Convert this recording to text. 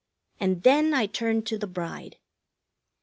And then I turned to the bride.